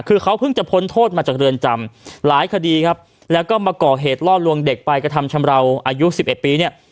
คือเขาเพิ่งจะพ้นโทษมาจากเรือนจำหลายคดีครับแล้วก็มาก่อเหตุล่อลวงเด็กไปกระทำชำราวอายุสิบเอ็ดปีเนี่ย